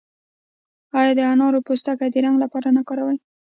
آیا د انارو پوستکي د رنګ لپاره نه کاروي؟